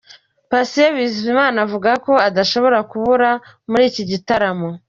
Patient Bizimana avuga ko adashobora kubura muri iki gitaramo.